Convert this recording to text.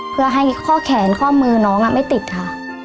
เพื่อให้ข้อแขนข้อมือน้องไม่ติดค่ะ